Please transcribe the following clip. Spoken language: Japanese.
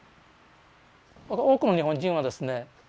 多くの日本人はですね